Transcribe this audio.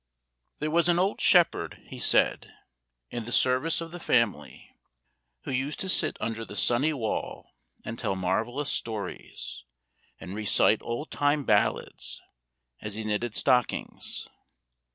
There was an old shepherd, he said, in the service of the family, who used to sit under the sunny wall, and tell marvellous stories, and recite old time ballads, as he knitted stockings.